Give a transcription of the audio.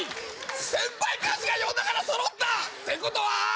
先輩歌手が呼んだからそろった！って事はー？